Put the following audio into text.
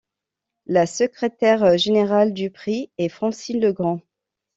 La secrétaire générale du Prix est Francine Legrand.